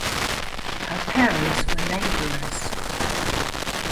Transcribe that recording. Her parents were laborers.